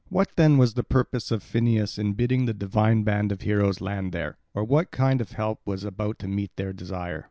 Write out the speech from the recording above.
What then was the purpose of Phineus in bidding the divine band of heroes land there? Or what kind of help was about to meet their desire?